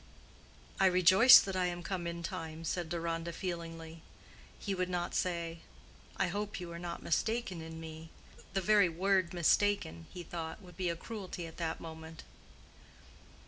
"I rejoice that I am come in time," said Deronda, feelingly. He would not say, "I hope you are not mistaken in me,"—the very word "mistaken," he thought, would be a cruelty at that moment.